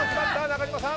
中島さん。